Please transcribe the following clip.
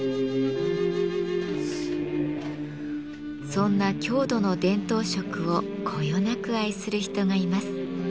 そんな郷土の伝統食をこよなく愛する人がいます。